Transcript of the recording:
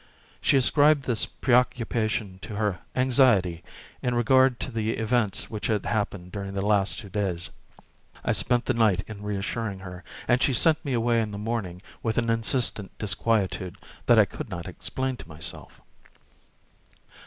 She ascribed this preoccupation to her anxiety in regard to the events which had happened during the last two days. I spent the night in reassuring her, and she sent me away in the morning with an insistent disquietude that I could not explain to myself.